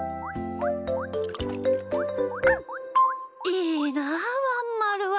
いいなあワンまるは。